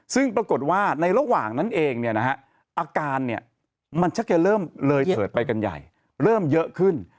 ซึ่งปรากฏว่าในระหว่างนั้นเองอาการมันชักจะเริ่มเลยเถิดไปกันใหญ่เริ่มเยอะขึ้น